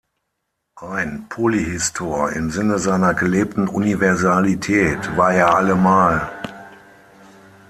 Ein Polyhistor im Sinne seiner gelebten Universalität war er allemal.